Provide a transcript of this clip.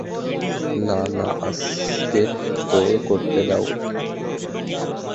না, না, আজকে তো করতে দেও।